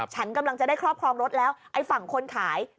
ฉันกำลังจะได้ครอบครองรถแล้วไอ้ฝั่งคนขาย